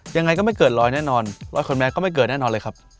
ยังไงก็ไม่เกิดร้อยแน่นอนร้อยคนแม้ก็ไม่เกิดแน่นอนเลยครับ